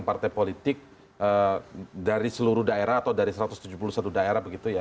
partai politik dari seluruh daerah atau dari satu ratus tujuh puluh satu daerah begitu ya